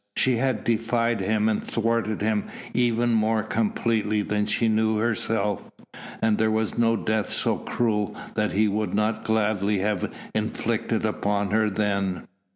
She had defied him and thwarted him even more completely than she knew herself; and there was no death so cruel that he would not gladly have inflicted upon her then.